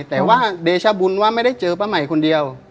แต่ว่าเดชบุญว่าไม่ได้เจอป้าใหม่คนเดียว